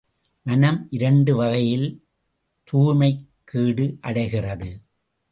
மனம் இரண்டு வகையில் தூய்மைக் கேடு அடைகிறது.